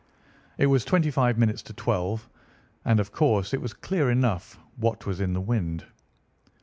It was twenty five minutes to twelve, and of course it was clear enough what was in the wind.